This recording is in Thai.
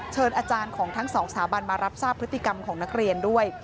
เชิญอาจารย์ของทั้งสองสถาบันมารับทราบพฤติกรรมของนักเรียนด้วย